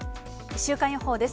週間予報です。